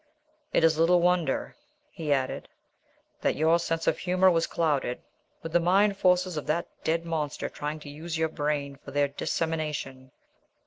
It is little wonder," he added, "that your sense of humour was clouded, with the mind forces of that dead monster trying to use your brain for their dissemination.